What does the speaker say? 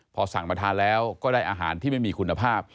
พอสั่งมาทานแล้วก็ได้อาหารที่ไม่มีคุณภาพ